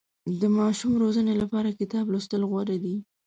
د ماشوم روزنې لپاره کتاب لوستل غوره دي.